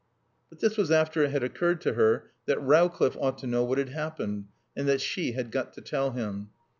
But this was after it had occurred to her that Rowcliffe ought to know what had happened and that she had got to tell him.